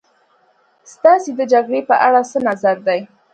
ستاسې د جګړې په اړه څه نظر دی.